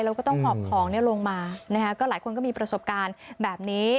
แล้วก็ต้องหอบของลงมานะคะก็หลายคนก็มีประสบการณ์แบบนี้